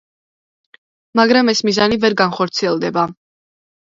მაგრამ ეს მიზანი ვერ განხორციელდა.